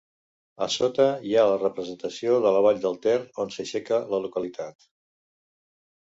A sota hi ha la representació de la vall del Ter, on s'aixeca la localitat.